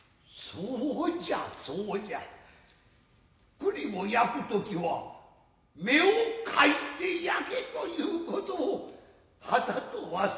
栗を焼く時は目をかいて焼けということをはたと忘れていた。